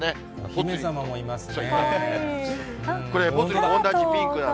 お姫様もいますね。